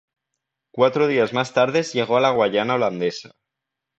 Cuatro días más tarde llegó a la Guayana Holandesa.